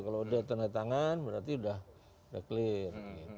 kalau udah tanda tangan berarti sudah clear